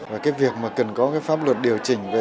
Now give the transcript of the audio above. và cái việc mà cần có cái pháp luật điều chỉnh